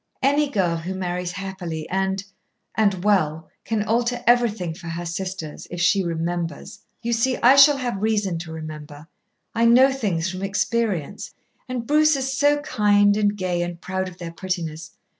Any girl who marries happily and and well can alter everything for her sisters, if she remembers. You see, I shall have reason to remember. I know things from experience. And Bruce is so kind, and gay, and proud of their prettiness.